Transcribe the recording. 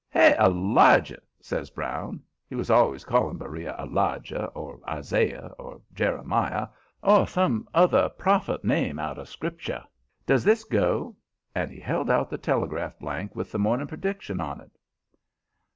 "Hey, Elijah!" says Brown. He was always calling Beriah "Elijah" or "Isaiah" or "Jeremiah" or some other prophet name out of Scripture. "Does this go?" And he held out the telegraph blank with the morning's prediction on it.